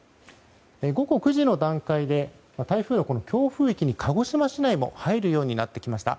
午後９時の段階で台風の強風域に鹿児島市内も入るようになってきました。